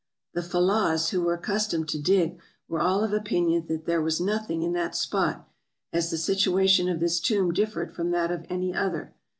The Fellahs who were accustomed to dig were all of opinion that there was nothing in that spot, as the situation of this tomb differed from that of any other.